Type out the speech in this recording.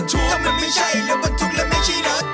สีสันมรุนาสนุก